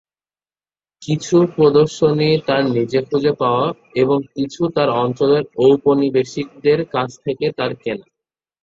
কিছু প্রদর্শনী তার নিজে খুজে পাওয়া এবং কিছু তার অঞ্চলের ঔপনিবেশিকদের কাছ থেকে তার কেনা।